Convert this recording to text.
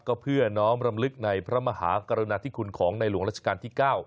ก็เพื่อน้อมรำลึกในพระมหากรุณาธิคุณของในหลวงราชการที่๙